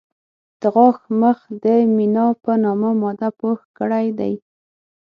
د غاښ مخ د مینا په نامه ماده پوښ کړی دی.